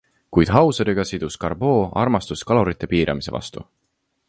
Kuid Hauseriga sidus Garbot armastus kalorite piiramise vastu.